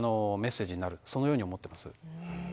そのように思っています。